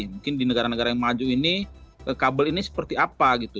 mungkin di negara negara yang maju ini kabel ini seperti apa gitu